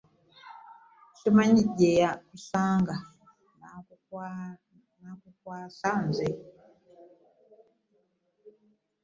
Ssimanyi gye yakusanga kukukwana nze.